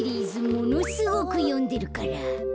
ものすごくよんでるから。